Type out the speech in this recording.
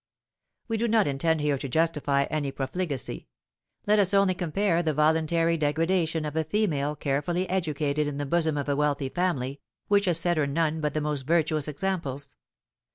We do not intend here to justify any profligacy. Let us only compare the voluntary degradation of a female carefully educated in the bosom of a wealthy family, which has set her none but the most virtuous examples.